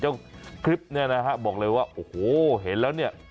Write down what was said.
คลิปเนี่ยนะฮะบอกเลยว่าโอ้โหเห็นแล้วเนี่ย